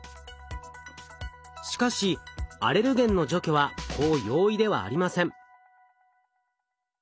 しかしアレルゲンの除去はこう容易ではありません。